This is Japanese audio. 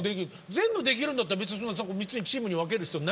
全部できるんだったら別に３つにチームに分ける必要ないんじゃないですか？